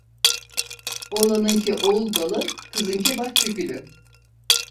Oğlanınki oğul balı, kızınki bahçe gülü.